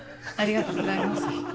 ありがとうございます。